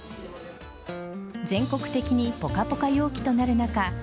全国的にポカポカ陽気となる中